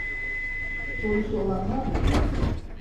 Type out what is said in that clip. Sorusu olan var mı?